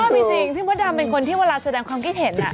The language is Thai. จริงพี่มดดำเป็นคนที่เวลาแสดงความคิดเห็น